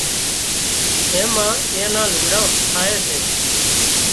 اين مان ايئان نان لگھڙان ٺاهي سي